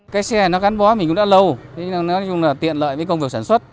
cái xe nó gắn bó mình cũng đã lâu nó tiện lợi với công việc sản xuất